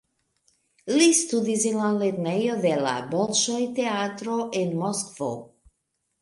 Li studis en la lernejo de la Bolŝoj-Teatro en Moskvo.